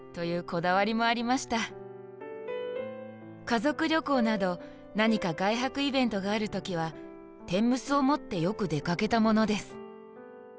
「家族旅行など何か外泊イベントがあるときは、天むすを持ってよく出かけたものです。